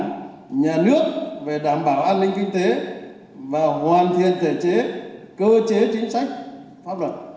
đảng nhà nước về đảm bảo an ninh kinh tế và hoàn thiện thể chế cơ chế chính sách pháp luật